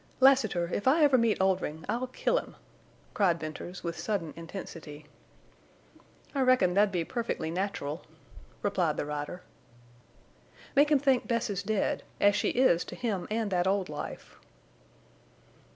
"Lassiter, if I ever meet Oldring I'll kill him!" cried Venters, with sudden intensity. "I reckon that'd be perfectly natural," replied the rider. "Make him think Bess is dead—as she is to him and that old life."